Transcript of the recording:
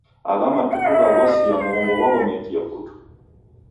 Agha matuku waghosia mghongo ghwaghomekie putu.